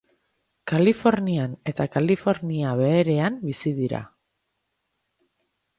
Kalifornian eta Kalifornia Beherean bizi dira.